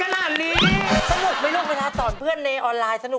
คุณบ้านเดียวกันแค่มองตากันก็เข้าใจอยู่